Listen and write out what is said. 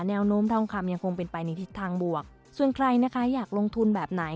แนวโน้มทองคำยังคงเป็นไปในทิศทางบวกส่วนใครนะคะอยากลงทุนแบบไหน